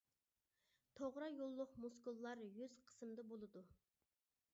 توغرا يوللۇق مۇسكۇللار يۈز قىسمىدا بولىدۇ.